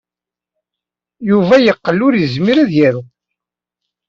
Yuba yeqqel ur yezmir ad yaru.